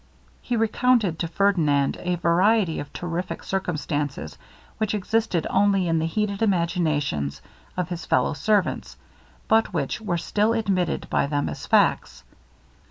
He recounted to Ferdinand a variety of terrific circumstances, which existed only in the heated imaginations of his fellow servants, but which were still admitted by them as facts.